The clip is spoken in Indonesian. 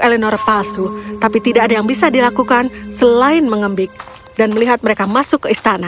elenor palsu tapi tidak ada yang bisa dilakukan selain mengembik dan melihat mereka masuk ke istana